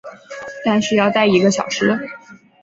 但是要待一个小时